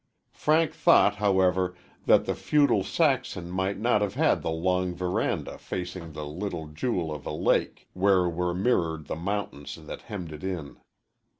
Frank thought, however, that the feudal Saxon might not have had the long veranda facing the little jewel of a lake, where were mirrored the mountains that hemmed it in.